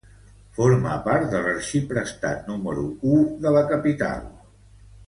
Forma part de l'arxiprestat número u de la capital.